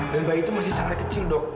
dan bayi itu masih sangat kecil dok